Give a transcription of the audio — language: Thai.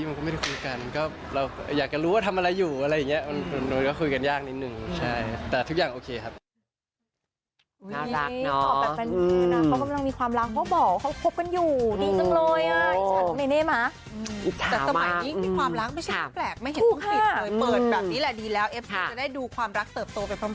มันก็ไม่ได้คุยกันเราอยากจะรู้ว่าทำอะไรอยู่มันก็คุยกันยากนิดนึงแต่ทุกอย่างโอเคครับ